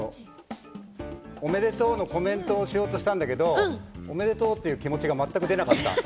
「おめでとう」のコメントをしようとしたんだけれども、おめでとうという気持ちがまったく出なかった。